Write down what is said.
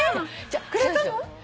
くれたの！？